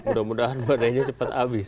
mudah mudahan badainya cepat habis